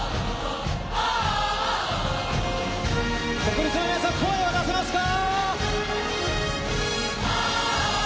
国立の皆さん声出せますか。